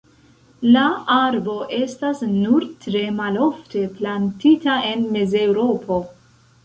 La arbo estas nur tre malofte plantita en Mezeŭropo.